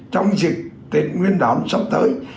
trong dịch tết nguyên đón sắp tới